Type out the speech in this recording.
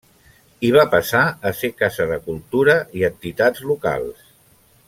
I va passar a ser casa de cultura i entitats locals.